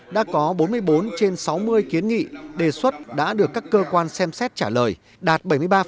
đã có bốn mươi bốn trên sáu mươi kiến nghị đề xuất đã được các cơ quan xem xét trả lời đạt bảy mươi ba